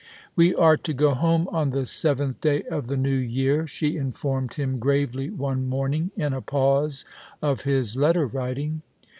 " We are to go home on the seventh day of the new year," she informed him gravely one morning, in a pause of his letter writing.